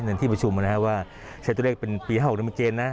ในที่ประชุมว่าชัยตัวเลขเป็นปี๕๖นี่มันเจนนะ